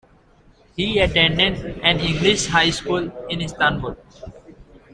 He attended an English High School in Istanbul.